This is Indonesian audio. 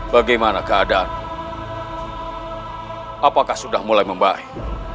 bagaimana keadaan apakah sudah mulai membaik